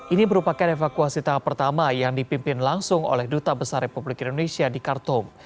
ini merupakan evakuasi tahap pertama yang dipimpin langsung oleh duta besar republik indonesia di khartoum